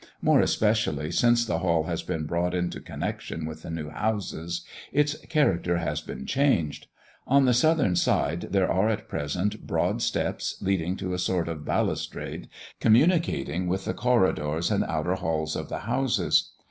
More especially since the Hall has been brought into connexion with the new houses, its character has been changed. On the southern side there are at present broad steps, leading to a sort of balustrade, communicating with the corridors and outer halls of the houses.